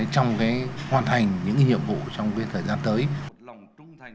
trong hoàn thành những nhiệm vụ